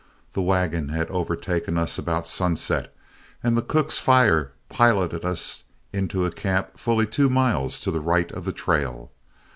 The wagon had overtaken us about sunset, and the cook's fire piloted us into a camp fully two miles to the right of the trail.